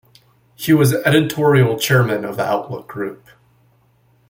He was editorial chairman of the Outlook Group.